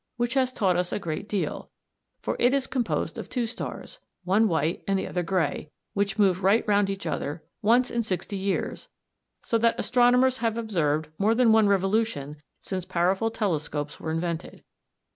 58 and 59), which has taught us a great deal, for it is composed of two stars, one white and the other grey, which move right round each other once in sixty years, so that astronomers have observed more than one revolution since powerful telescopes were invented.